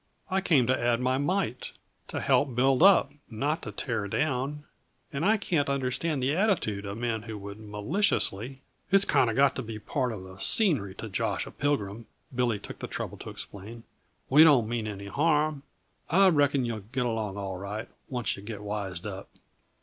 I came to add my mite; to help build up, not to tear down. And I can't understand the attitude of men who would maliciously " "It's kinda got to be part uh the scenery to josh a pilgrim," Billy took the trouble to explain. "We don't mean any harm. I reckon you'll get along all right, once yuh get wised up."